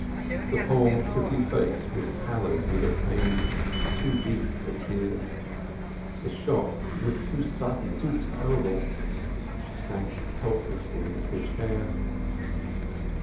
The poor, pretty face was pallid with a pain too deep for tears. The shock was too sudden, too terrible. She sank helplessly into a chair.